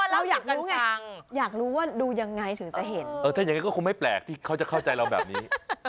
เราอยากรู้ไงอยากรู้ว่าดูยังไงถึงจะเห็นถ้าอย่างนั้นก็คงไม่แปลกที่เขาจะเข้าใจเราแบบนี้